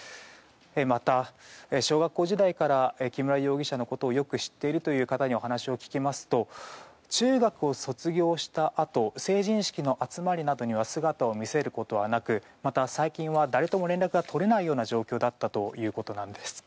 また小学校時代から木村容疑者のことをよく知っているという方にお話を聞きますと中学を卒業したあと成人式の集まりなどには姿を見せることはなくまた最近は誰とも連絡が取れないような状況だったということです。